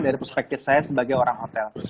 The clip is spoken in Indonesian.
dari perspektif saya sebagai orang hotel